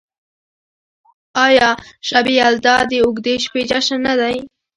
آیا شب یلدا د اوږدې شپې جشن نه دی؟